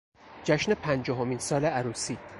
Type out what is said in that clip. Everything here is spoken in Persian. جشن پنجاهمین سال عروسی